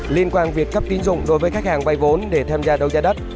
liên quan việc cấp tính dụng đối với khách hàng bay vốn để tham gia đấu gia đất